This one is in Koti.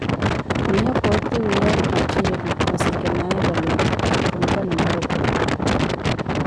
Miiyo pooti wiiya nttitthiru masu kinawe valori- khulupa Namorokolo.